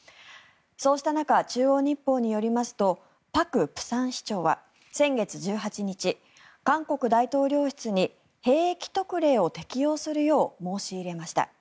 そうした中中央日報によりますとパク釜山市長は先月１８日韓国大統領室に兵役特例を適用するよう申し入れました。